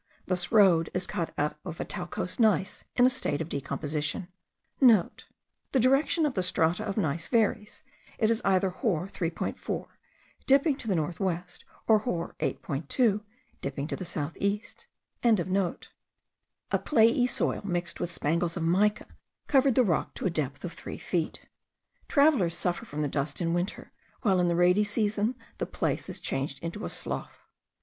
This road is cut out of a talcose gneiss* in a state of decomposition. (* The direction of the strata of gneiss varies; it is either hor. 3.4, dipping to the north west or hor. 8.2, dipping to the south east.) A clayey soil mixed with spangles of mica covered the rock, to the depth of three feet. Travellers suffer from the dust in winter, while in the rainy season the place is changed into a slough.